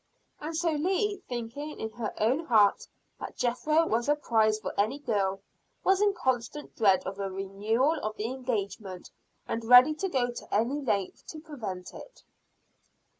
And so Leah, thinking in her own heart that Jethro was a prize for any girl, was in constant dread of a renewal of the engagement, and ready to go to any length to prevent it.